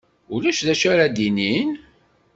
Ulac d acu ara d-inin?